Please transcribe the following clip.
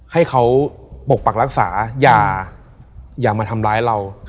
ให้เขาปกปักรักษาอย่ามาทำร้ายเรา